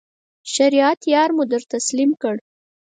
شریعت یار مو در تسلیم کړ.